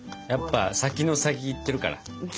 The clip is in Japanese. やっぱ先の先いってるから。